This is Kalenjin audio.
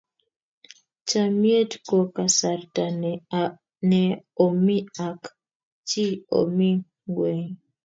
chamiet ko kasarta ne omi ak chi omi nyweng'